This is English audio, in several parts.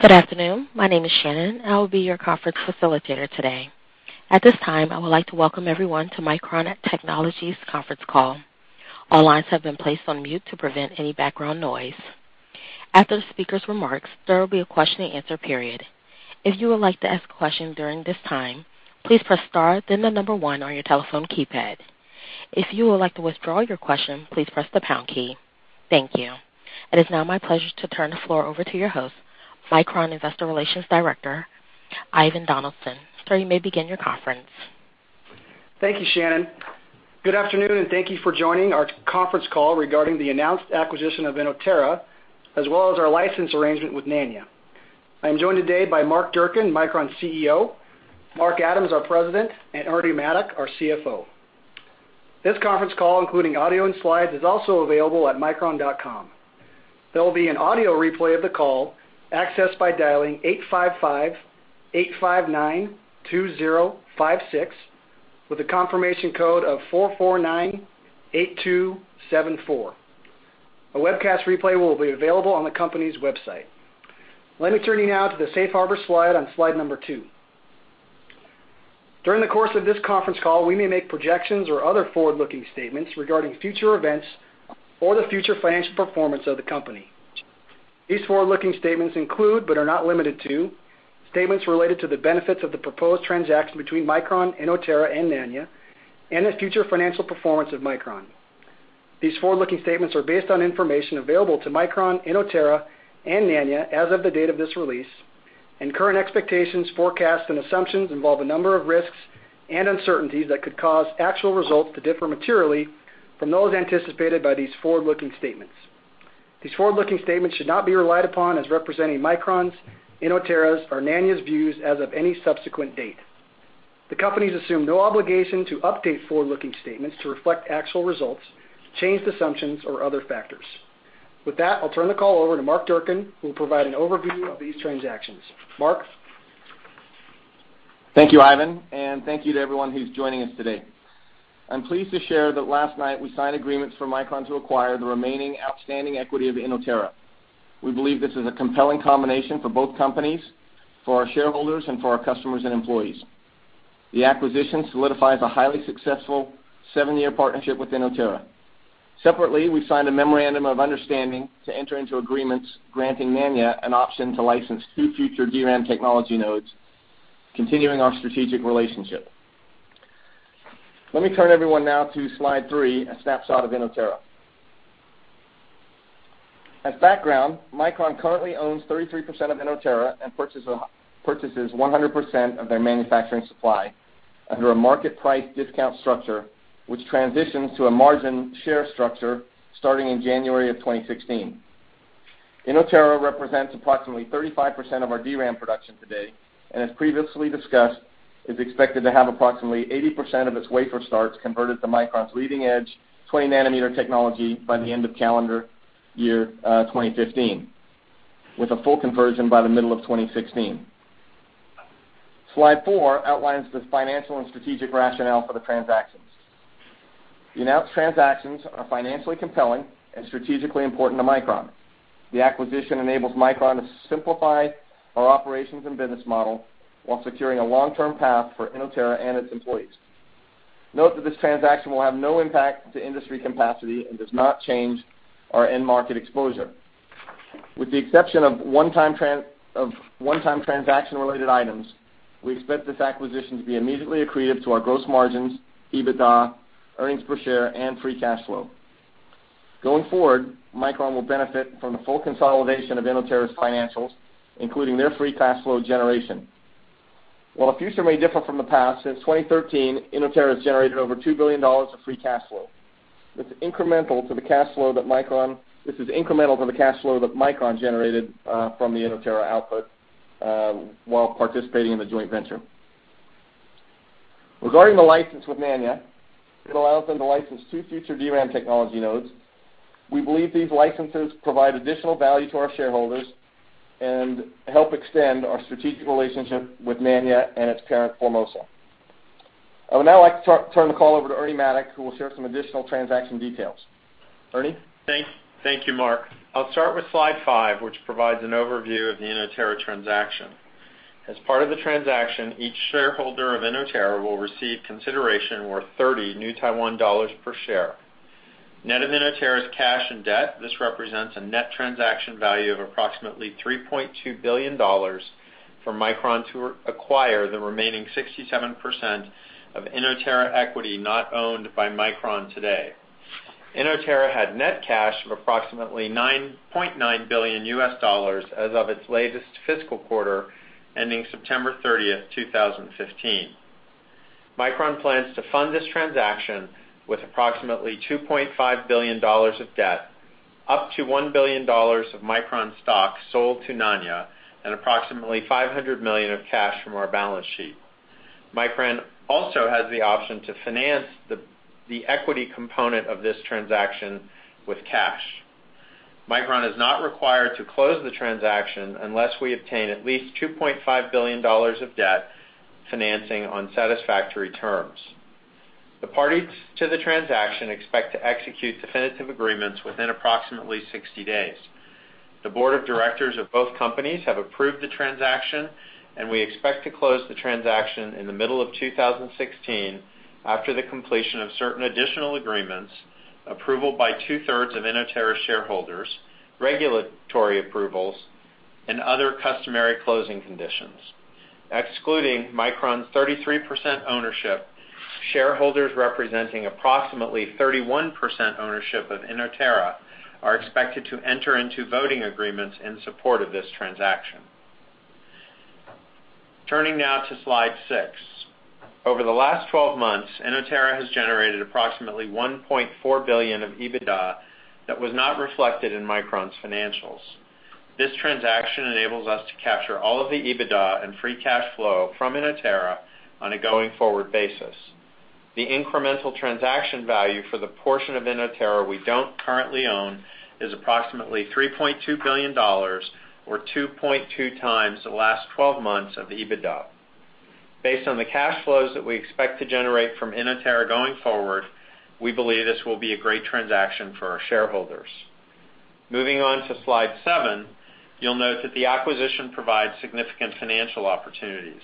Good afternoon. My name is Shannon, and I will be your conference facilitator today. At this time, I would like to welcome everyone to Micron Technology's conference call. All lines have been placed on mute to prevent any background noise. After the speaker's remarks, there will be a question and answer period. If you would like to ask a question during this time, please press star then one on your telephone keypad. If you would like to withdraw your question, please press the pound key. Thank you. It is now my pleasure to turn the floor over to your host, Micron Investor Relations Director, Ivan Donaldson. Sir, you may begin your conference. Thank you, Shannon. Good afternoon, and thank you for joining our conference call regarding the announced acquisition of Inotera, as well as our license arrangement with Nanya. I am joined today by Mark Durcan, Micron's CEO, Mark Adams, our President, and Ernie Maddock, our CFO. This conference call, including audio and slides, is also available at micron.com. There will be an audio replay of the call, accessed by dialing 855-859-2056 with a confirmation code of 4498274. A webcast replay will be available on the company's website. Let me turn you now to the Safe Harbor slide on slide number two. During the course of this conference call, we may make projections or other forward-looking statements regarding future events or the future financial performance of the company. These forward-looking statements include, but are not limited to, statements related to the benefits of the proposed transaction between Micron, Inotera, and Nanya, and the future financial performance of Micron. These forward-looking statements are based on information available to Micron, Inotera, and Nanya as of the date of this release, and current expectations, forecasts, and assumptions involve a number of risks and uncertainties that could cause actual results to differ materially from those anticipated by these forward-looking statements. These forward-looking statements should not be relied upon as representing Micron's, Inotera's, or Nanya's views as of any subsequent date. The companies assume no obligation to update forward-looking statements to reflect actual results, changed assumptions, or other factors. With that, I'll turn the call over to Mark Durcan, who will provide an overview of these transactions. Mark? Thank you, Ivan, and thank you to everyone who's joining us today. I'm pleased to share that last night we signed agreements for Micron to acquire the remaining outstanding equity of Inotera. We believe this is a compelling combination for both companies, for our shareholders, and for our customers and employees. The acquisition solidifies a highly successful seven-year partnership with Inotera. Separately, we signed a memorandum of understanding to enter into agreements granting Nanya an option to license two future DRAM technology nodes, continuing our strategic relationship. Let me turn everyone now to slide three, a snapshot of Inotera. As background, Micron currently owns 33% of Inotera and purchases 100% of their manufacturing supply under a market price discount structure, which transitions to a margin share structure starting in January of 2016. Inotera represents approximately 35% of our DRAM production today, and as previously discussed, is expected to have approximately 80% of its wafer starts converted to Micron's leading-edge 20 nanometer technology by the end of calendar year 2015, with a full conversion by the middle of 2016. Slide four outlines the financial and strategic rationale for the transactions. The announced transactions are financially compelling and strategically important to Micron. The acquisition enables Micron to simplify our operations and business model while securing a long-term path for Inotera and its employees. Note that this transaction will have no impact to industry capacity and does not change our end market exposure. With the exception of one-time transaction-related items, we expect this acquisition to be immediately accretive to our gross margins, EBITDA, earnings per share, and free cash flow. Going forward, Micron will benefit from the full consolidation of Inotera's financials, including their free cash flow generation. While the future may differ from the past, since 2013, Inotera has generated over $2 billion of free cash flow. This is incremental to the cash flow that Micron generated from the Inotera output while participating in the joint venture. Regarding the license with Nanya, it allows them to license two future DRAM technology nodes. We believe these licenses provide additional value to our shareholders and help extend our strategic relationship with Nanya and its parent, Formosa. I would now like to turn the call over to Ernie Maddock, who will share some additional transaction details. Ernie? Thank you, Mark. I'll start with slide five, which provides an overview of the Inotera transaction. As part of the transaction, each shareholder of Inotera will receive consideration worth 30 per share. Net of Inotera's cash and debt, this represents a net transaction value of approximately $3.2 billion for Micron to acquire the remaining 67% of Inotera equity not owned by Micron today. Inotera had net cash of approximately $0.9 billion as of its latest fiscal quarter ending September 30th, 2015. Micron plans to fund this transaction with approximately $2.5 billion of debt, up to $1 billion of Micron stock sold to Nanya, and approximately $500 million of cash from our balance sheet. Micron also has the option to finance the equity component of this transaction with cash. Micron is not required to close the transaction unless we obtain at least $2.5 billion of debt financing on satisfactory terms. The parties to the transaction expect to execute definitive agreements within approximately 60 days. The board of directors of both companies have approved the transaction, and we expect to close the transaction in the middle of 2016 after the completion of certain additional agreements, approval by two-thirds of Inotera shareholders, regulatory approvals, and other customary closing conditions. Excluding Micron's 33% ownership, shareholders representing approximately 31% ownership of Inotera are expected to enter into voting agreements in support of this transaction. Turning now to slide six. Over the last 12 months, Inotera has generated approximately $1.4 billion of EBITDA that was not reflected in Micron's financials. This transaction enables us to capture all of the EBITDA and free cash flow from Inotera on a going-forward basis. The incremental transaction value for the portion of Inotera we don't currently own is approximately $3.2 billion or 2.2 times the last 12 months of EBITDA. Based on the cash flows that we expect to generate from Inotera going forward, we believe this will be a great transaction for our shareholders. Moving on to slide seven, you'll note that the acquisition provides significant financial opportunities.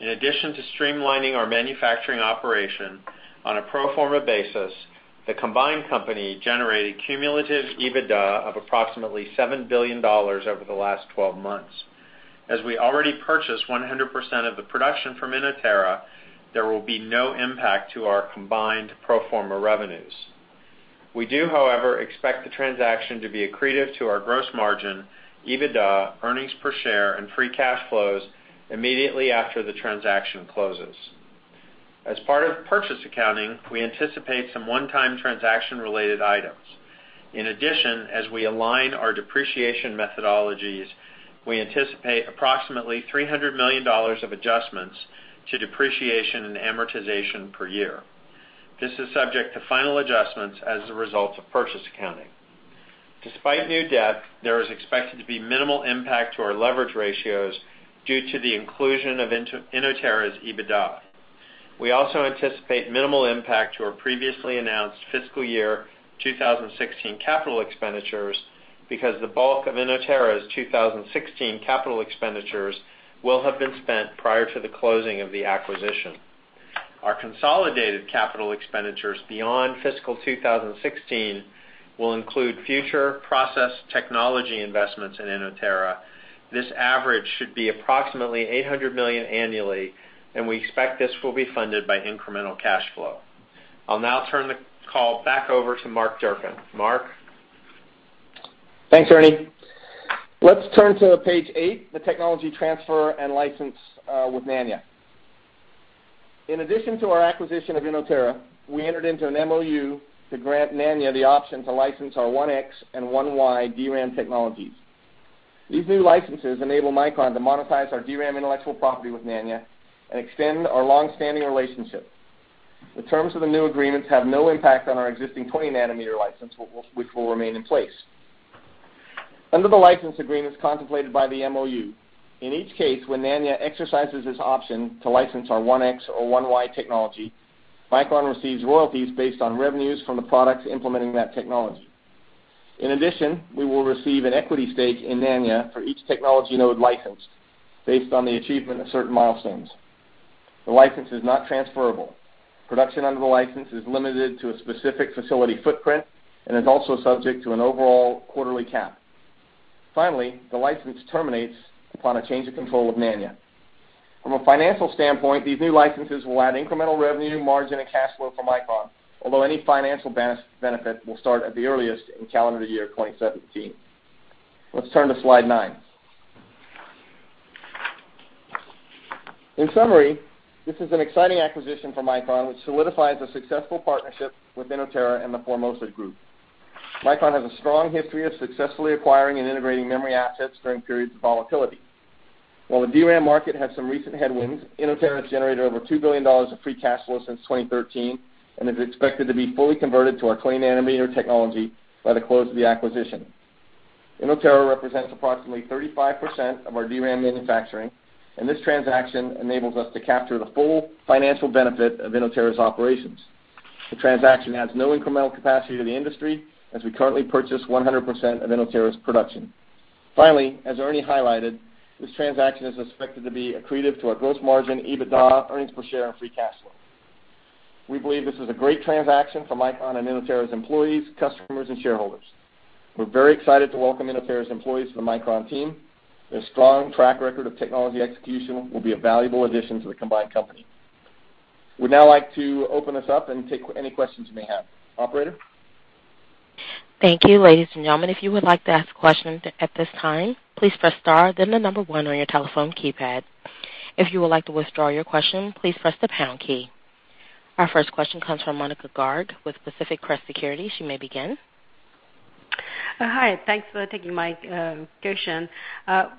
In addition to streamlining our manufacturing operation on a pro forma basis, the combined company generated cumulative EBITDA of approximately $7 billion over the last 12 months. As we already purchased 100% of the production from Inotera, there will be no impact to our combined pro forma revenues. We do, however, expect the transaction to be accretive to our gross margin, EBITDA, earnings per share, and free cash flows immediately after the transaction closes. As part of purchase accounting, we anticipate some one-time transaction-related items. In addition, as we align our depreciation methodologies, we anticipate approximately $300 million of adjustments to depreciation and amortization per year. This is subject to final adjustments as a result of purchase accounting. Despite new debt, there is expected to be minimal impact to our leverage ratios due to the inclusion of Inotera's EBITDA. We also anticipate minimal impact to our previously announced fiscal year 2016 capital expenditures because the bulk of Inotera's 2016 capital expenditures will have been spent prior to the closing of the acquisition. Our consolidated capital expenditures beyond fiscal 2016 will include future process technology investments in Inotera. This average should be approximately $800 million annually, and we expect this will be funded by incremental cash flow. I'll now turn the call back over to Mark Durcan. Mark? Thanks, Ernie. Let's turn to page eight, the technology transfer and license with Nanya. In addition to our acquisition of Inotera, we entered into an MOU to grant Nanya the option to license our 1x and 1Y DRAM technologies. These new licenses enable Micron to monetize our DRAM intellectual property with Nanya and extend our long-standing relationship. The terms of the new agreements have no impact on our existing 20 nanometer license, which will remain in place. Under the license agreements contemplated by the MOU, in each case, when Nanya exercises its option to license our 1x or 1Y technology, Micron receives royalties based on revenues from the products implementing that technology. In addition, we will receive an equity stake in Nanya for each technology node licensed based on the achievement of certain milestones. The license is not transferable. Production under the license is limited to a specific facility footprint and is also subject to an overall quarterly cap. Finally, the license terminates upon a change of control of Nanya. From a financial standpoint, these new licenses will add incremental revenue, margin, and cash flow for Micron, although any financial benefit will start at the earliest in calendar year 2017. Let's turn to slide nine. In summary, this is an exciting acquisition for Micron, which solidifies a successful partnership with Inotera and the Formosa Group. Micron has a strong history of successfully acquiring and integrating memory assets during periods of volatility. While the DRAM market has some recent headwinds, Inotera has generated over $2 billion of free cash flow since 2013 and is expected to be fully converted to our 20 nanometer technology by the close of the acquisition. Inotera represents approximately 35% of our DRAM manufacturing, this transaction enables us to capture the full financial benefit of Inotera's operations. The transaction adds no incremental capacity to the industry, as we currently purchase 100% of Inotera's production. Finally, as Ernie highlighted, this transaction is expected to be accretive to our gross margin, EBITDA, earnings per share, and free cash flow. We believe this is a great transaction for Micron and Inotera's employees, customers, and shareholders. We're very excited to welcome Inotera's employees to the Micron team. Their strong track record of technology execution will be a valuable addition to the combined company. We'd now like to open this up and take any questions you may have. Operator? Thank you. Ladies and gentlemen, if you would like to ask questions at this time, please press star then 1 on your telephone keypad. If you would like to withdraw your question, please press the pound key. Our first question comes from Monika Garg with Pacific Crest Securities. She may begin. Hi, thanks for taking my question.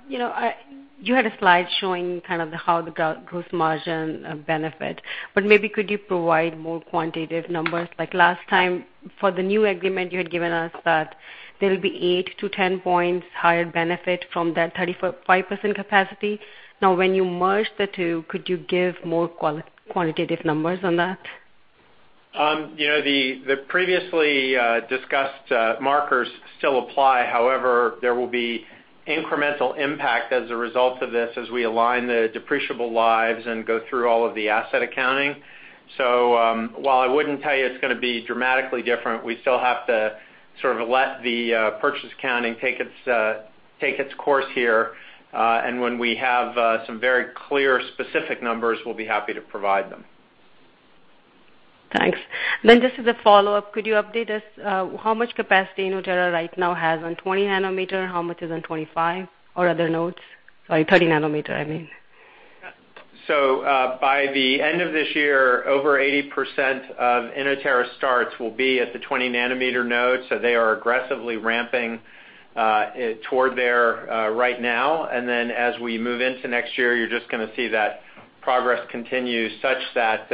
You had a slide showing how the gross margin benefit, maybe could you provide more quantitative numbers? Like last time, for the new agreement you had given us that there will be 8 to 10 points higher benefit from that 35% capacity. When you merge the two, could you give more quantitative numbers on that? The previously discussed markers still apply. However, there will be incremental impact as a result of this as we align the depreciable lives and go through all of the asset accounting. While I wouldn't tell you it's going to be dramatically different, we still have to let the purchase accounting take its course here. When we have some very clear specific numbers, we'll be happy to provide them. Thanks. Just as a follow-up, could you update us how much capacity Inotera right now has on 20 nanometer? How much is on 25 or other nodes? Sorry, 30 nanometer, I mean. By the end of this year, over 80% of Inotera starts will be at the 20 nanometer node. They are aggressively ramping toward there right now. As we move into next year, you're just going to see that progress continue, such that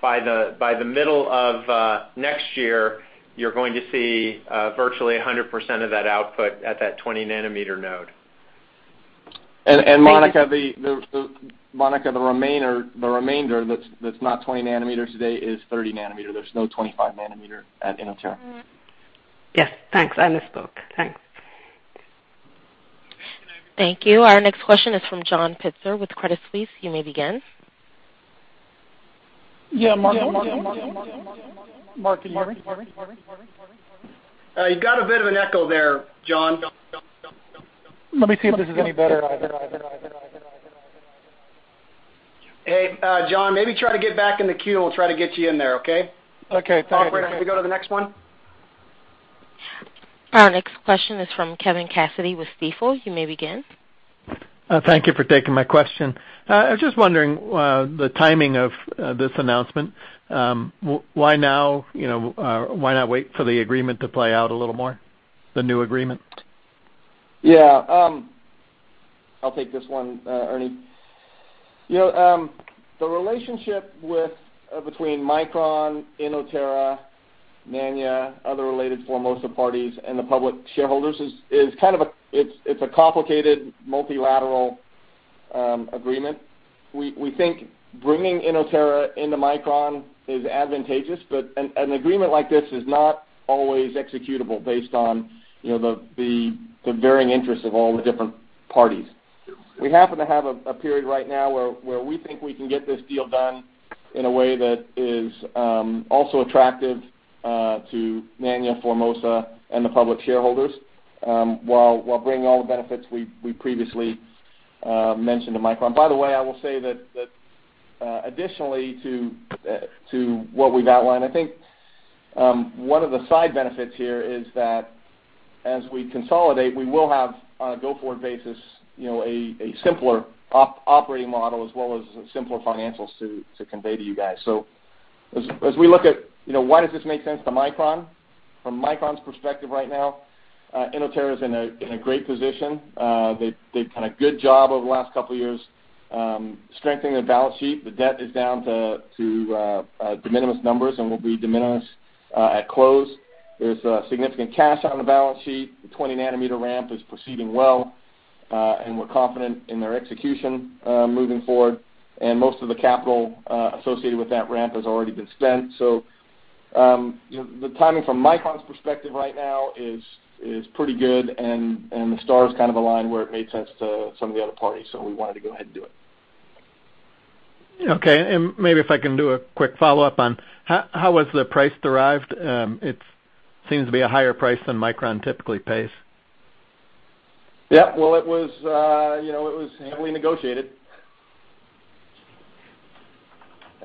by the middle of next year, you're going to see virtually 100% of that output at that 20 nanometer node. Monika, the remainder that's not 20 nanometers today is 30 nanometer. There's no 25 nanometer at Inotera. Yes. Thanks. I misspoke. Thanks. Thank you. Our next question is from John Pitzer with Credit Suisse. You may begin. Yeah, Mark. You've got a bit of an echo there, John. Let me see if this is any better. Hey, John, maybe try to get back in the queue, we'll try to get you in there, okay? Okay. Thank you. Operator, can we go to the next one? Our next question is from Kevin Cassidy with Stifel. You may begin. Thank you for taking my question. I was just wondering the timing of this announcement. Why now? Why not wait for the agreement to play out a little more, the new agreement? Yeah. I'll take this one, Ernie. The relationship between Micron, Inotera, Nanya, other related Formosa parties, and the public shareholders, it's a complicated multilateral agreement. We think bringing Inotera into Micron is advantageous, an agreement like this is not always executable based on the varying interests of all the different parties. We happen to have a period right now where we think we can get this deal done in a way that is also attractive to Nanya, Formosa, and the public shareholders, while bringing all the benefits we previously mentioned to Micron. By the way, I will say that additionally to what we've outlined, I think one of the side benefits here is that as we consolidate, we will have, on a go-forward basis, a simpler operating model as well as simpler financials to convey to you guys. As we look at why does this make sense to Micron, from Micron's perspective right now, Inotera is in a great position. They've done a good job over the last couple of years strengthening their balance sheet. The debt is down to de minimis numbers and will be de minimis at close. There's significant cash on the balance sheet. The 20 nanometer ramp is proceeding well, and we're confident in their execution moving forward. Most of the capital associated with that ramp has already been spent. The timing from Micron's perspective right now is pretty good, and the stars kind of aligned where it made sense to some of the other parties, we wanted to go ahead and do it. Okay, maybe if I can do a quick follow-up on how was the price derived? It seems to be a higher price than Micron typically pays. Yeah. Well, it was heavily negotiated.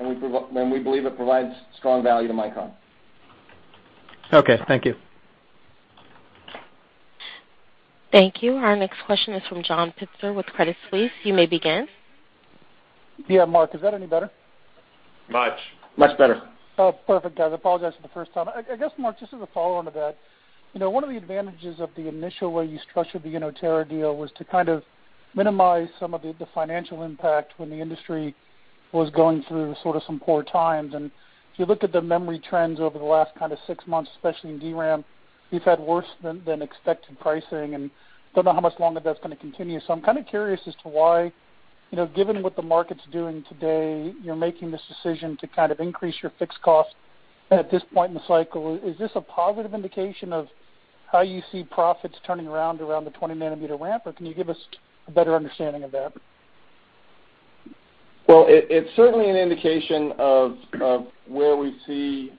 We believe it provides strong value to Micron. Okay. Thank you. Thank you. Our next question is from John Pitzer with Credit Suisse. You may begin. Yeah, Mark, is that any better? Much. Much better. Oh, perfect. Guys, I apologize for the first time. I guess, Mark, just as a follow-on to that, one of the advantages of the initial way you structured the Inotera deal was to kind of minimize some of the financial impact when the industry was going through sort of some poor times. If you look at the memory trends over the last kind of six months, especially in DRAM, we've had worse than expected pricing, and don't know how much longer that's going to continue. I'm kind of curious as to why, given what the market's doing today, you're making this decision to kind of increase your fixed cost at this point in the cycle. Is this a positive indication of how you see profits turning around the 20 nanometer ramp, or can you give us a better understanding of that? Well, it's certainly an indication of where we see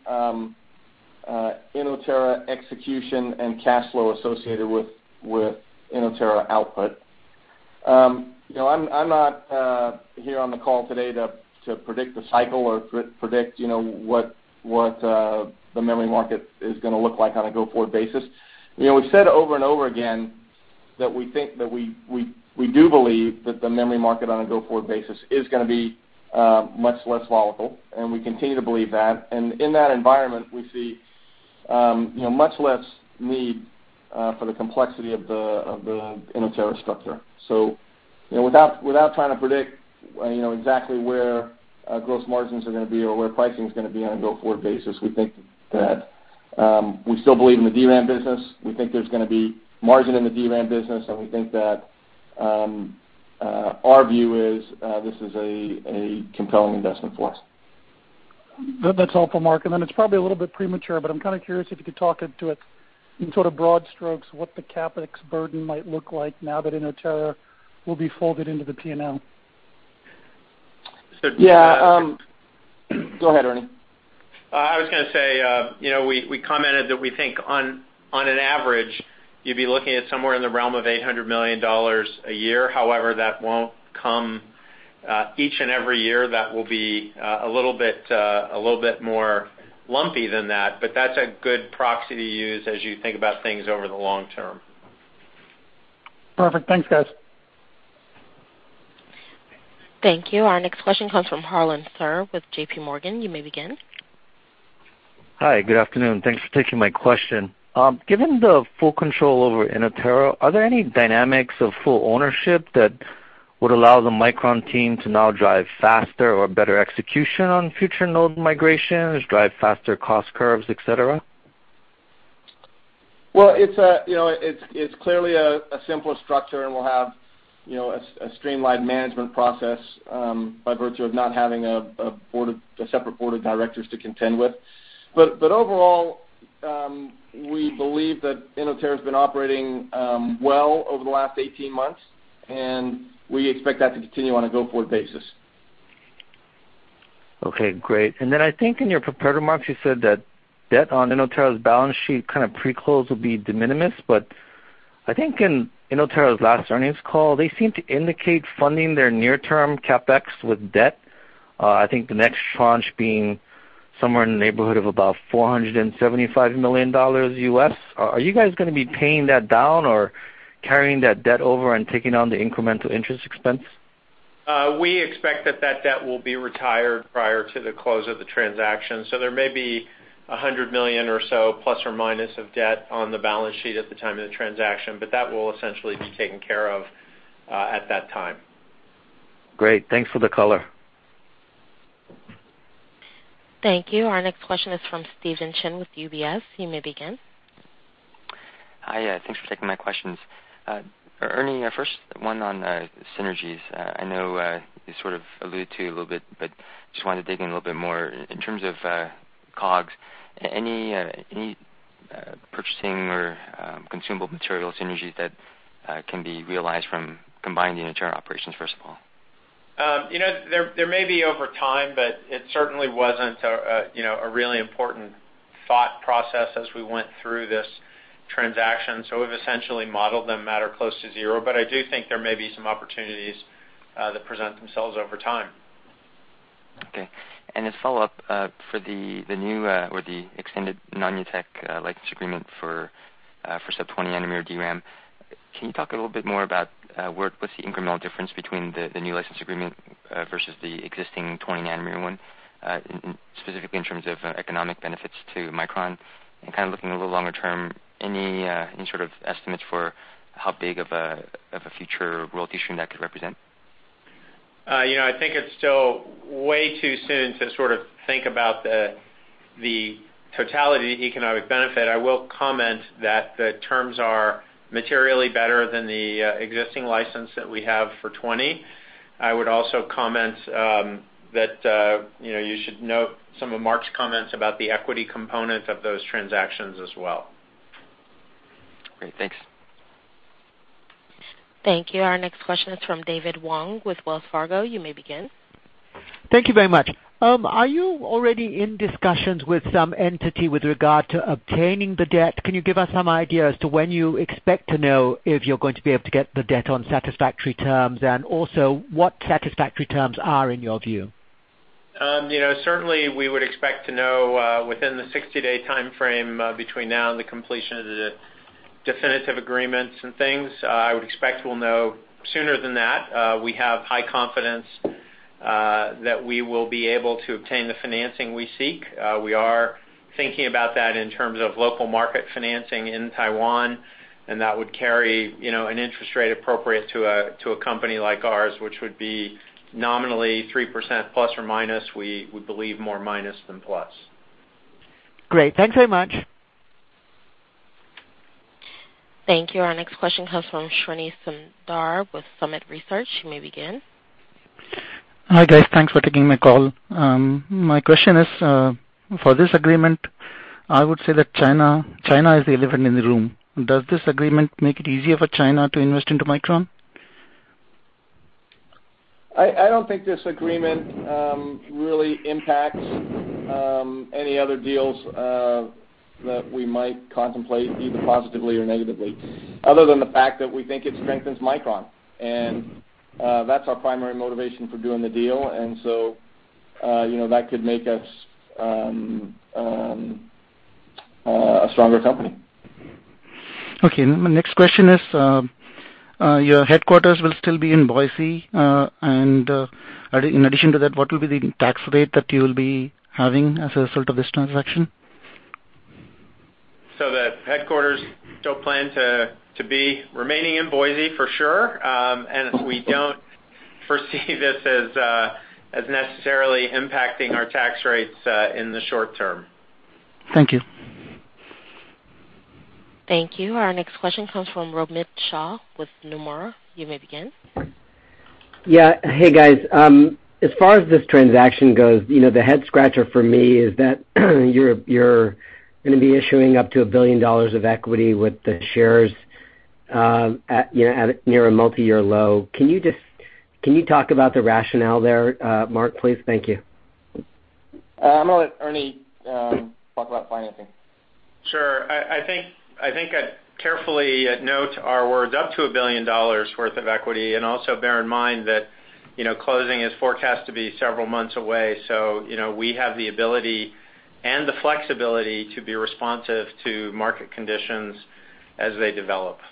Inotera execution and cash flow associated with Inotera output. I'm not here on the call today to predict the cycle or predict what the memory market is going to look like on a go-forward basis. We've said over and over again that we do believe that the memory market on a go-forward basis is going to be much less volatile, and we continue to believe that. In that environment, we see much less need for the complexity of the Inotera structure. Without trying to predict exactly where gross margins are going to be or where pricing is going to be on a go-forward basis, We still believe in the DRAM business. We think there's going to be margin in the DRAM business, and we think that our view is, this is a compelling investment for us. That's helpful, Mark. Then it's probably a little bit premature, but I'm kind of curious if you could talk into it, in sort of broad strokes, what the CapEx burden might look like now that Inotera will be folded into the P&L. So- Yeah. Go ahead, Ernie. I was going to say, we commented that we think on an average, you'd be looking at somewhere in the realm of $800 million a year. That won't come each and every year. That will be a little bit more lumpy than that's a good proxy to use as you think about things over the long term. Perfect. Thanks, guys. Thank you. Our next question comes from Harlan Sur with JP Morgan. You may begin. Hi. Good afternoon. Thanks for taking my question. Given the full control over Inotera, are there any dynamics of full ownership that would allow the Micron team to now drive faster or better execution on future node migrations, drive faster cost curves, et cetera? Well, it's clearly a simpler structure, and we'll have a streamlined management process, by virtue of not having a separate board of directors to contend with. Overall, we believe that Inotera's been operating well over the last 18 months, and we expect that to continue on a go-forward basis. Okay, great. I think in your prepared remarks, you said that debt on Inotera's balance sheet pre-close will be de minimis, but I think in Inotera's last earnings call, they seemed to indicate funding their near-term CapEx with debt. I think the next tranche being somewhere in the neighborhood of about $475 million. Are you guys going to be paying that down or carrying that debt over and taking on the incremental interest expense? We expect that that debt will be retired prior to the close of the transaction. There may be $100 million or so, plus or minus, of debt on the balance sheet at the time of the transaction. That will essentially be taken care of at that time. Great. Thanks for the color. Thank you. Our next question is from Steven Chin with UBS. You may begin. Hi. Thanks for taking my questions. Ernie, first one on synergies. I know you sort of alluded to a little bit, but just wanted to dig in a little bit more. In terms of COGS, any purchasing or consumable material synergies that can be realized from combining the internal operations, first of all? There may be over time, but it certainly wasn't a really important thought process as we went through this transaction. We've essentially modeled them at or close to zero. I do think there may be some opportunities that present themselves over time. Okay. A follow-up, for the new or the extended Nanya Tech license agreement for sub 20-nanometer DRAM, can you talk a little bit more about what's the incremental difference between the new license agreement versus the existing 20-nanometer one, specifically in terms of economic benefits to Micron? Kind of looking a little longer term, any sort of estimates for how big of a future royalty stream that could represent? I think it's still way too soon to think about the totality economic benefit. I will comment that the terms are materially better than the existing license that we have for 20. I would also comment that you should note some of Mark's comments about the equity component of those transactions as well. Great. Thanks. Thank you. Our next question is from David Wong with Wells Fargo. You may begin. Thank you very much. Are you already in discussions with some entity with regard to obtaining the debt? Can you give us some idea as to when you expect to know if you're going to be able to get the debt on satisfactory terms? Also, what satisfactory terms are in your view? Certainly we would expect to know within the 60-day timeframe between now and the completion of the definitive agreements and things. I would expect we'll know sooner than that. We have high confidence that we will be able to obtain the financing we seek. We are thinking about that in terms of local market financing in Taiwan, and that would carry an interest rate appropriate to a company like ours, which would be nominally ±3%. We believe more minus than plus. Great. Thanks very much. Thank you. Our next question comes from Srini Sundar with Summit Research. You may begin. Hi, guys. Thanks for taking my call. My question is, for this agreement, I would say that China is the elephant in the room. Does this agreement make it easier for China to invest into Micron? I don't think this agreement really impacts any other deals that we might contemplate, either positively or negatively, other than the fact that we think it strengthens Micron, and that's our primary motivation for doing the deal. That could make us a stronger company. Okay. My next question is, your headquarters will still be in Boise, and in addition to that, what will be the tax rate that you'll be having as a result of this transaction? The headquarters, still plan to be remaining in Boise for sure. Foresee this as necessarily impacting our tax rates in the short term. Thank you. Thank you. Our next question comes from Romit Shah with Nomura. You may begin. Yeah. Hey, guys. As far as this transaction goes, the head-scratcher for me is that you're going to be issuing up to $1 billion of equity with the shares at near a multi-year low. Can you talk about the rationale there, Mark, please? Thank you. I'm going to let Ernie talk about financing. Sure. I think I'd carefully note our words up to $1 billion worth of equity, also bear in mind that closing is forecast to be several months away. We have the ability and the flexibility to be responsive to market conditions as they develop. Okay.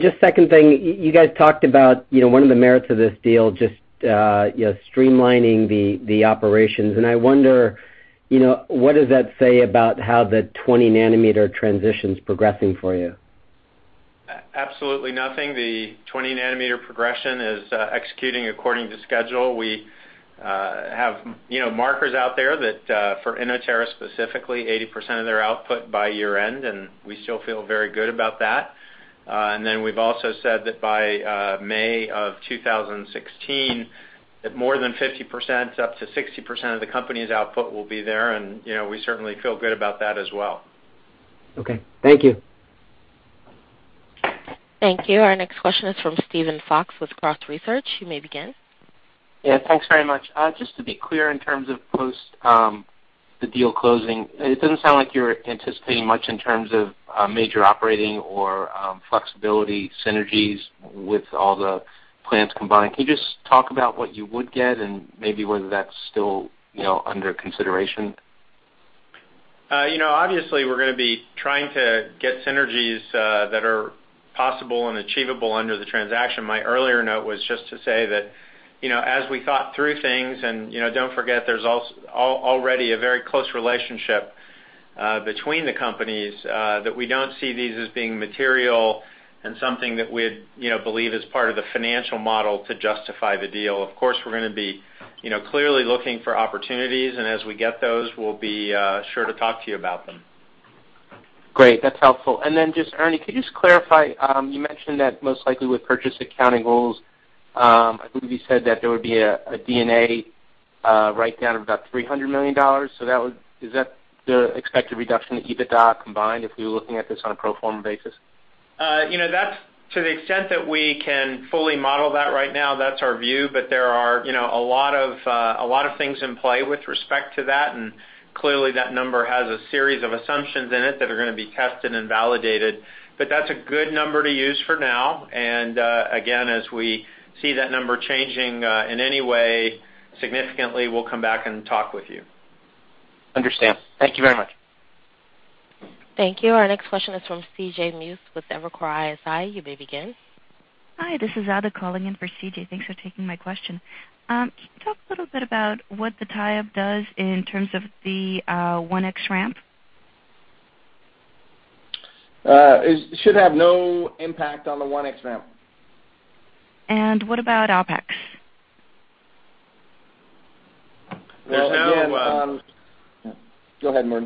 Just second thing, you guys talked about one of the merits of this deal, just streamlining the operations. I wonder, what does that say about how the 20 nanometer transition's progressing for you? Absolutely nothing. The 20 nanometer progression is executing according to schedule. We have markers out there that, for Inotera specifically, 80% of their output by year-end, and we still feel very good about that. We've also said that by May of 2016, more than 50% up to 60% of the company's output will be there, and we certainly feel good about that as well. Okay. Thank you. Thank you. Our next question is from Steven Fox with Cross Research. You may begin. Yeah, thanks very much. Just to be clear, in terms of post the deal closing, it doesn't sound like you're anticipating much in terms of major operating or flexibility synergies with all the plans combined. Can you just talk about what you would get and maybe whether that's still under consideration? Obviously, we're going to be trying to get synergies that are possible and achievable under the transaction. My earlier note was just to say that, as we thought through things, and don't forget, there's already a very close relationship between the companies, that we don't see these as being material and something that we'd believe is part of the financial model to justify the deal. Of course, we're going to be clearly looking for opportunities, and as we get those, we'll be sure to talk to you about them. Great. That's helpful. Ernie, could you just clarify, you mentioned that most likely with purchase accounting goals, I believe you said that there would be a D&A writedown of about $300 million. Is that the expected reduction in EBITDA combined if we were looking at this on a pro forma basis? To the extent that we can fully model that right now, that's our view, there are a lot of things in play with respect to that, clearly that number has a series of assumptions in it that are going to be tested and validated. That's a good number to use for now, again, as we see that number changing in any way significantly, we'll come back and talk with you. Understand. Thank you very much. Thank you. Our next question is from C.J. Muse with Evercore ISI. You may begin. Hi, this is Ada calling in for C.J. Thanks for taking my question. Can you talk a little bit about what the tie-up does in terms of the 1X ramp? It should have no impact on the 1X ramp. What about OpEx? There's no- Well. Go ahead, Mark.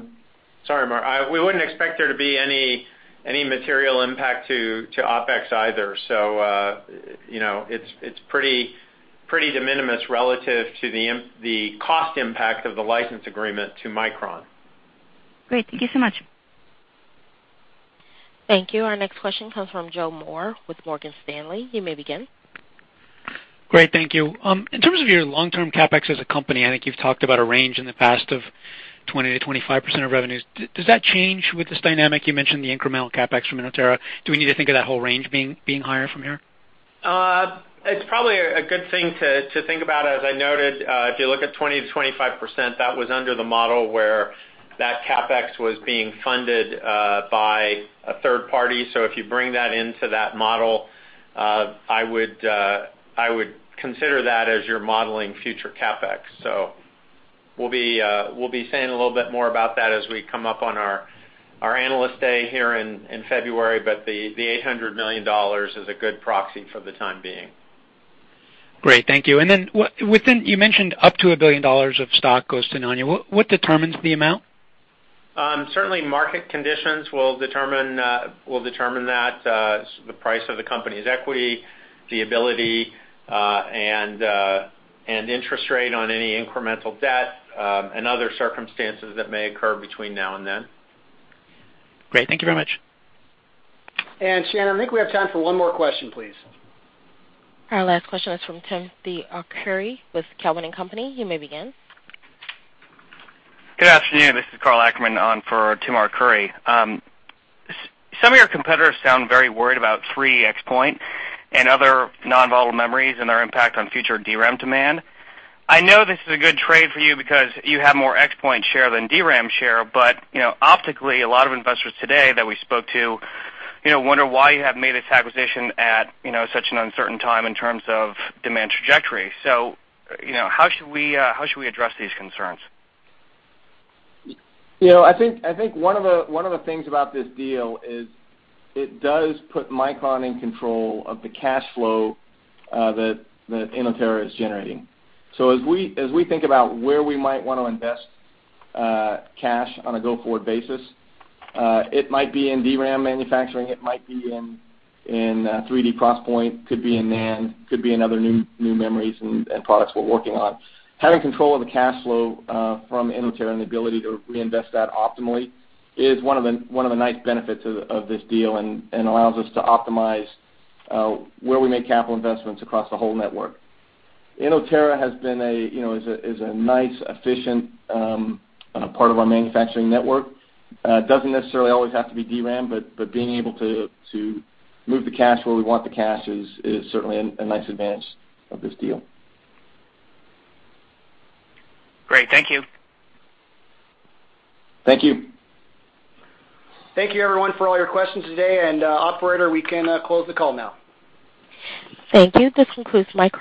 Sorry, Mark. We wouldn't expect there to be any material impact to OpEx either. It's pretty de minimis relative to the cost impact of the license agreement to Micron. Great. Thank you so much. Thank you. Our next question comes from Joseph Moore with Morgan Stanley. You may begin. Great. Thank you. In terms of your long-term CapEx as a company, I think you've talked about a range in the past of 20%-25% of revenues. Does that change with this dynamic? You mentioned the incremental CapEx from Inotera. Do we need to think of that whole range being higher from here? It's probably a good thing to think about, as I noted, if you look at 20%-25%, that was under the model where that CapEx was being funded by a third party. If you bring that into that model, I would consider that as you're modeling future CapEx. We'll be saying a little bit more about that as we come up on our Analyst Day here in February, but the $800 million is a good proxy for the time being. Great. Thank you. Then, you mentioned up to $1 billion of stock goes to Nanya. What determines the amount? Certainly, market conditions will determine that. The price of the company's equity, the ability, and interest rate on any incremental debt, and other circumstances that may occur between now and then. Great. Thank you very much. Shannon, I think we have time for one more question, please. Our last question is from Timothy Arcuri with Cowen and Company. You may begin. Good afternoon. This is Karl Ackerman on for Tim Arcuri. Some of your competitors sound very worried about 3D XPoint and other non-volatile memories and their impact on future DRAM demand. I know this is a good trade for you because you have more XPoint share than DRAM share, but optically, a lot of investors today that we spoke to wonder why you have made this acquisition at such an uncertain time in terms of demand trajectory. How should we address these concerns? I think one of the things about this deal is it does put Micron in control of the cash flow that Inotera is generating. As we think about where we might want to invest cash on a go-forward basis, it might be in DRAM manufacturing, it might be in 3D XPoint, could be in NAND, could be in other new memories and products we're working on. Having control of the cash flow from Inotera and the ability to reinvest that optimally is one of the nice benefits of this deal and allows us to optimize where we make capital investments across the whole network. Inotera is a nice, efficient part of our manufacturing network. It doesn't necessarily always have to be DRAM, but being able to move the cash where we want the cash is certainly a nice advantage of this deal. Great. Thank you. Thank you. Thank you, everyone, for all your questions today, and operator, we can close the call now. Thank you. This concludes Micron's